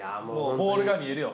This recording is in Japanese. ボールが見えるよ。